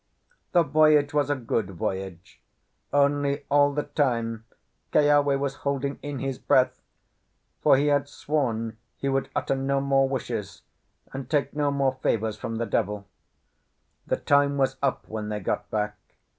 The voyage was a good voyage, only all the time Keawe was holding in his breath, for he had sworn he would utter no more wishes, and take no more favours from the devil. The time was up when they got back.